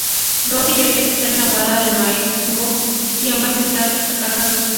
Rosy cree estar enamorada del maestro y ambos acaban casándose.